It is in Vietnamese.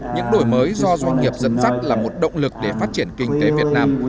những đổi mới do doanh nghiệp dẫn dắt là một động lực để phát triển kinh tế việt nam